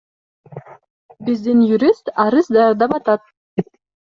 Биздин юрист арыз даярдап атат.